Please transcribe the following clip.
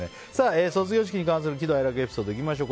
卒業式に関する喜怒哀楽エピソードいきましょう。